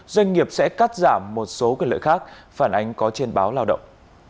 doanh nghiệp sẽ cắt giảm một số quyền lợi khác phản ánh có trên báo lao động